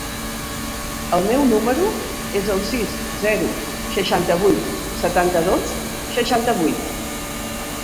El meu número es el sis, zero, seixanta-vuit, setanta-dos, seixanta-vuit.